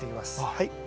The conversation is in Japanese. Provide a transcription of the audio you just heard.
はい。